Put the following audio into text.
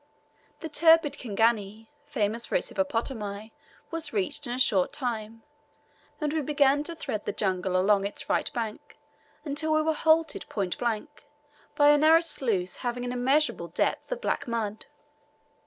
The turbid Kingani, famous for its hippopotami, was reached in a short time, and we began to thread the jungle along its right bank until we were halted point blank by a narrow sluice having an immeasurable depth of black mud.